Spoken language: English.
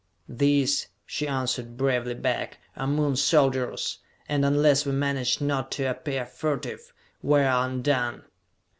"These," she answered bravely back, "are Moon soldiers! And, unless we manage not to appear furtive, we are undone!"